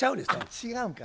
違うんか。